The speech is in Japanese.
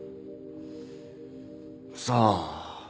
さあ。